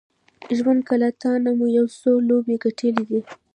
ژونده که له تانه مو یو څو لوبې ګټلې دي